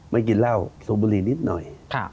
กินเหล้าสูบบุหรี่นิดหน่อย